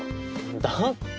だって。